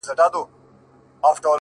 که دې د سترگو له سکروټو نه فناه واخلمه _